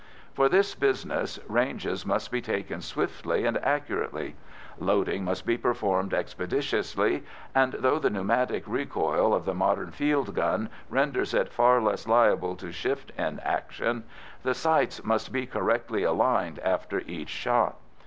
For this business ranges must be taken swiftly and accurately. Loading must be performed expeditiously, and, though the pneumatic recoil of the modern field gun renders it far less liable to shift in action, the sights must be correctly aligned after each shot.